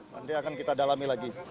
nanti akan kita dalami lagi